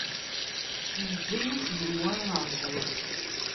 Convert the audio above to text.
Yeǧǧa-yi seg-m wayen ṛǧiɣ.